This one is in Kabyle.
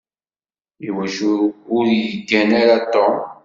Iwacu ur yeggan ara Tom?